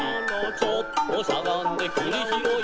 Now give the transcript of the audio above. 「ちょっとしゃがんでくりひろい」